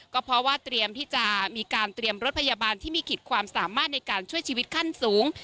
ก็เพราะว่าเตรียมที่จะมีการเตรียมรถพยาบาลที่มีขีดความสามารถในการช่วยชีวิตขั้นสูง